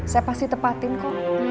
saya pasti tepatin kok